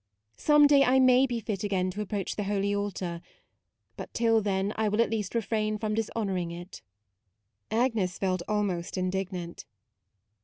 Some day I may be fit again to approach the Holy Altar, but till then I will at least refrain from dishonouring it." Agnes felt almost indignant.